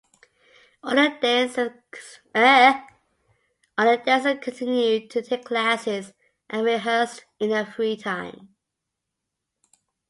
All the dancers continued to take classes and rehearsed in their free time.